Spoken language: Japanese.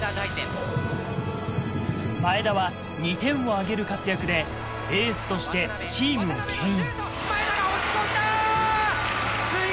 前田は２点を挙げる活躍でエースとしてチームをけん引。